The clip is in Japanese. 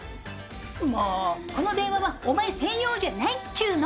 もうこの電話はお前専用じゃないっちゅの。